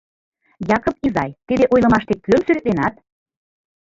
— Якып изай, тиде ойлымаште кӧм сӱретленат?